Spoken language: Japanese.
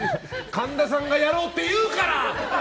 神田さんがやろうって言うから！